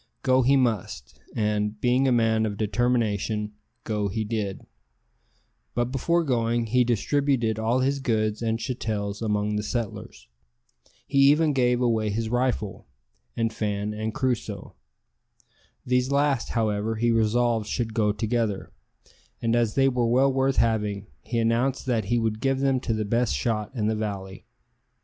Go he must, and, being a man of determination, go he did; but before going he distributed all his goods and chattels among the settlers. He even gave away his rifle, and Fan and Crusoe. These last, however, he resolved should go together; and as they were well worth having, he announced that he would give them to the best shot in the valley.